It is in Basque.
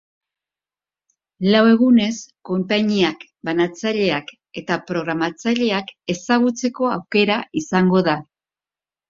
Lau egunez, konpainiak, banatzaileak eta programatzaileak ezagutzeko aukera izango da.